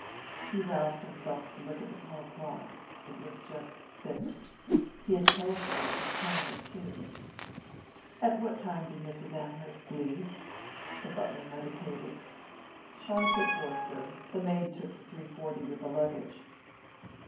He roused himself to look at the tall clock. It was just six. He had telephoned from town at two. "At what time did Mrs. Amherst leave?" The butler meditated. "Sharp at four, sir. The maid took the three forty with the luggage."